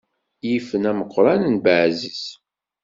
Yifen ameqqran n at Baɛziz.